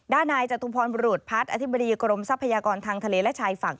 ด้านนายจักรทุมพลบรูทพัฒน์อธิบดีกรมทรัพยากรทางทะเลและชายฝั่ง